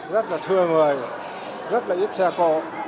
rất là thưa người rất là ít xe cổ